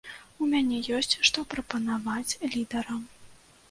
У мяне ёсць што прапанаваць лідарам.